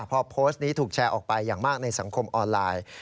พอโพสต์นี้ถูกแชร์ออกไปอย่างมากในสังคมออนไลน์